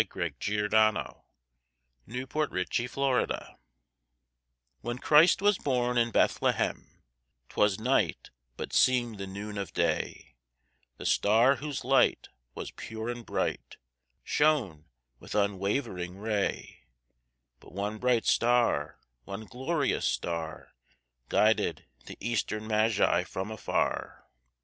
Translated from the Spanish A CHRISTMAS CAROL When Christ was born in Bethlehem, 'Twas night but seemed the noon of day: The star whose light Was pure and bright, Shone with unwav'ring ray; But one bright star, One glorious star Guided the Eastern Magi from afar.